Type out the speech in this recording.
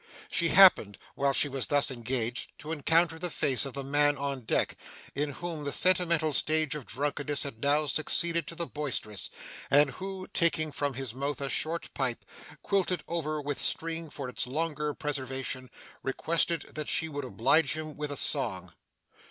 She happened, while she was thus engaged, to encounter the face of the man on deck, in whom the sentimental stage of drunkenness had now succeeded to the boisterous, and who, taking from his mouth a short pipe, quilted over with string for its longer preservation, requested that she would oblige him with a song.